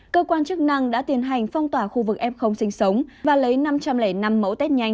cơ quan chức năng đã tiến hành phong tỏa khu vực m sinh sống và lấy năm trăm linh năm mẫu test nhanh